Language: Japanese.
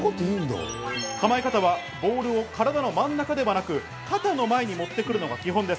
構え方はボールを体の真ん中ではなく、肩の前に持ってくるのが基本です。